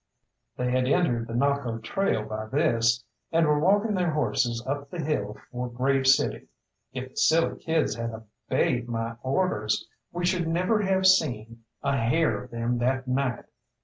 They had entered the Naco trail by this, and were walking their horses up the hill for Grave City. If the silly kids had obeyed my orders we should never have seen a hair of them that night.